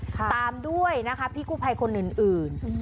ตามด้วยนะคะพี่กู้ภัยคนอื่น